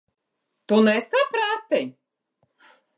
Tu nesaprati.